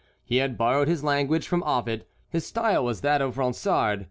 He had borrowed his language from Ovid; his style was that of Ronsard.